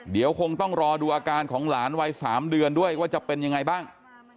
เดี๋ยวคงต้องรอดูอาการของหลานวัย๓เดือนด้วยว่าจะเป็นยังไงบ้าง